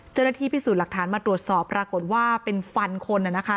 เจ้าหน้าที่พิสูจน์หลักฐานมาตรวจสอบปรากฏว่าเป็นฟันคนนะคะ